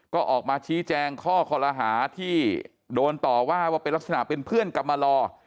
ก็ออกมาชี้แจงข้อคอลหาที่โดนต่อว่าว่าเป็นลักษณะเป็นเพื่อนกรรมลอ